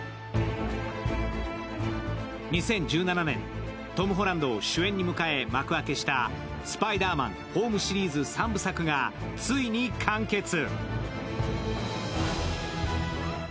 ２０１７年、トム・ホランドを主演に迎え幕開けした「スパイダーマン」ホームシリーズ３部作がついに完結。